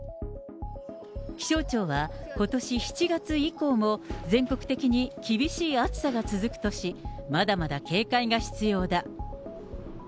気象庁はことし７月以降も全国的に厳しい暑さが続くとし、まだまだ警戒が必要だ。